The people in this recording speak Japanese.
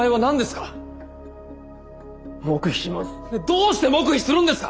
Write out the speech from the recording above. どうして黙秘するんですか！